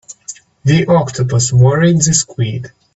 The octopus worried the squid.